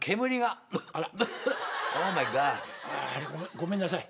ごめんなさい。